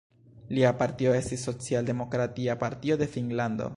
Lia partio estis Socialdemokratia Partio de Finnlando.